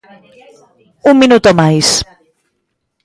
Un minuto máis.